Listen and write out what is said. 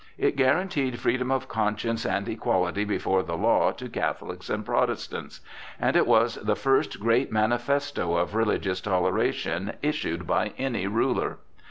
It guaranteed freedom of conscience and equality before the law to Catholics and Protestants; and it was the first great manifesto of religious toleration issued by any ruler.